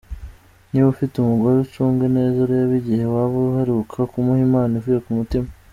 Niba ufite umugore ucunge neza urebe igihe waba uheruka kumuha impano ivuye k´umutima.